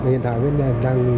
hiện tại bên nhà đang sạc